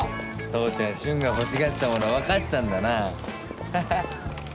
父ちゃん俊が欲しがってたものわかってたんだな。